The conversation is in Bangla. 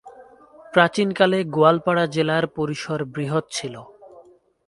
প্রাচীনকালে গোয়ালপাড়া জেলার পরিসর বৃহৎ ছিল।